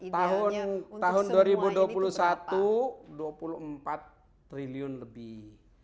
tahun dua ribu dua puluh satu dua puluh empat triliun lebih